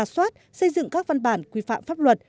xây dựng các văn bản quy phạm pháp luật